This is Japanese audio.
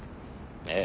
ええ。